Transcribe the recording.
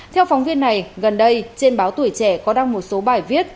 theo phóng viên này gần đây trên báo tuổi trẻ có đăng một số bài viết